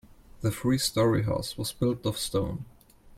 The three story house was built of stone.